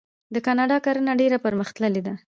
د کاناډا کرنه ډیره پرمختللې ده.